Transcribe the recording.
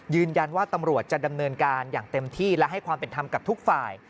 ยืนยันว่าตำรวจจะดำเนินการอย่างเต็มที่และให้ความเป็นธรรมกับทุกฝ่าย